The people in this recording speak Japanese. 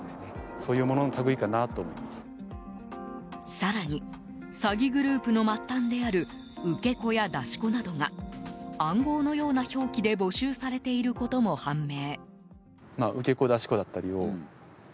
更に詐欺グループの末端である受け子や出し子などが暗号のような表記で募集されていることも判明。